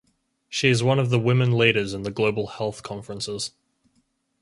She is one of the Women Leaders in the Global Health Conferences.